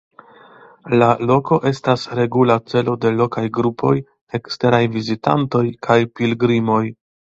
La loko estas regula celo de lokaj grupoj, eksteraj vizitantoj kaj pilgrimoj.